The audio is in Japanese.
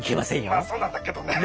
まあそうなんだけどね。